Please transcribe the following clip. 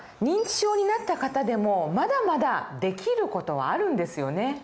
認知症になった方でもまだまだできる事はあるんですよね。